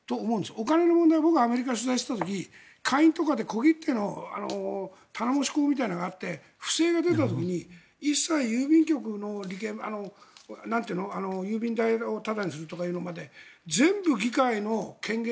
お金の問題、僕はアメリカを取材していた時、下院とかで小切手の頼母子講みたいなのがあって不正が出た時に郵便局の郵便代をタダにするとかで。